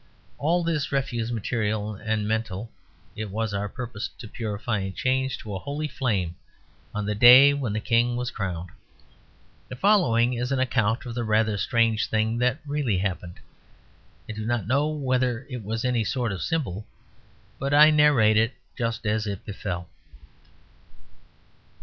All this refuse, material and mental, it was our purpose to purify and change to holy flame on the day when the King was crowned. The following is an account of the rather strange thing that really happened. I do not know whether it was any sort of symbol; but I narrate it just as it befell.